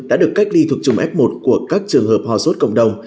đã được cách ly thuộc chùm f một của các trường hợp hòa suốt cộng đồng